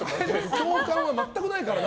共感が全くないからな。